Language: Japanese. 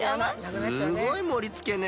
すごいもりつけね。